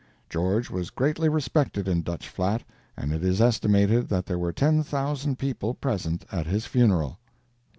George was greatly respected in Dutch Flat, and it is estimated that there were 10,000 people present at his funeral.